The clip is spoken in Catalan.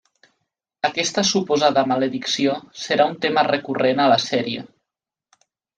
Aquesta suposada maledicció serà un tema recurrent a la sèrie.